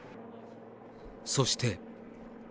そして。